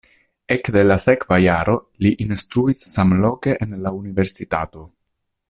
Ekde la sekva jaro li instruis samloke en la universitato.